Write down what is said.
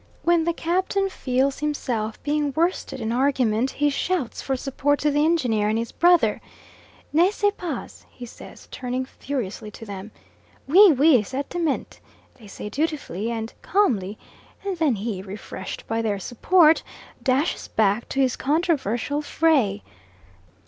When the captain feels himself being worsted in argument, he shouts for support to the engineer and his brother. "N'est ce pas?" he says, turning furiously to them. "Oui, oui, certainement," they say dutifully and calmly, and then he, refreshed by their support, dashes back to his controversial fray.